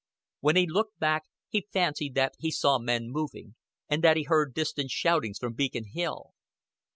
When he looked back he fancied that he saw men moving, and that he heard distant shoutings from Beacon Hill.